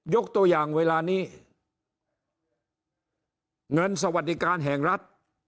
ยกตัวอย่างเวลานี้เงินสวัสดิการแห่งรัฐ